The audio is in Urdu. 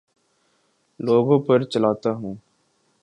لوگوں پر چلاتا ہوں